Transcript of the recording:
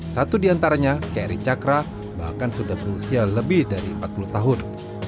satu di antaranya kri cakra bahkan sudah berusia lebih dari empat puluh tahun